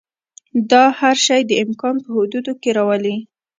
دا هر شی د امکان په حدودو کې راولي.